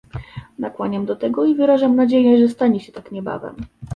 Nakłaniam do tego i wyrażam nadzieję, że stanie się tak niebawem